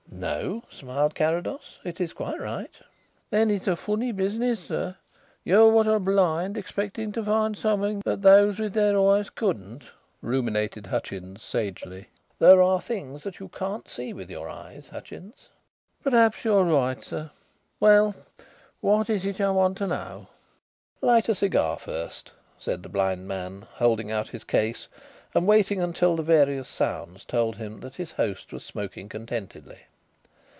"No," smiled Carrados. "It's quite right." "Then it's a funny business, sir you what are blind expecting to find something that those with their eyes couldn't," ruminated Hutchins sagely. "There are things that you can't see with your eyes, Hutchins." "Perhaps you are right, sir. Well, what is it you want to know?" "Light a cigar first," said the blind man, holding out his case and waiting until the various sounds told him that his host was smoking contentedly.